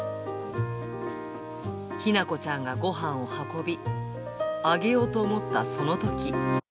日向子ちゃんがごはんを運び、あげようと思ったそのとき。